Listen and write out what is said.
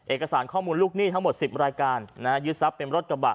เอกสารข้อมูลลูกหนี้ทั้งหมด๑๐รายการยึดทรัพย์เป็นรถกระบะ